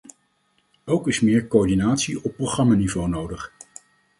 Ook is meer coördinatie op programmaniveau nodig.